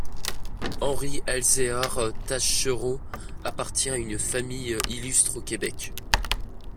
Henri-Elzéar Taschereau appartient à une famille illustre au Québec.